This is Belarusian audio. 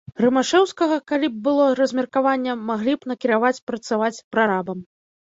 Рымашэўскага, калі б было размеркаванне, маглі б накіраваць працаваць прарабам.